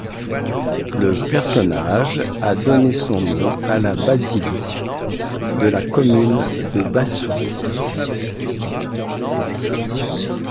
Le personnage a donné son nom à la basilique de la commune de Bassoues.